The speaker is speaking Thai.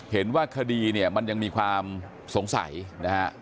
เห็นว่าคดีเนี่ยมันยังมีความสงสัยนะฮะ